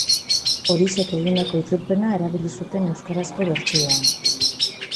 Orixek egindako itzulpena erabili zuten euskarazko bertsioan.